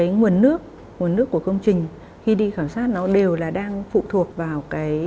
nguồn nước của công trình khi đi khảo sát đều phụ thuộc vào